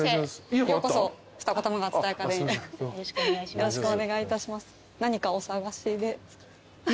何かお探しで。